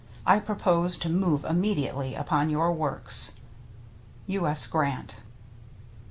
I propose to move immediately upon your works. — U. S. Grant.